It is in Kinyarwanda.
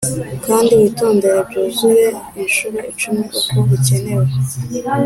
kandi witondere byuzuye inshuro icumi uko bikenewe;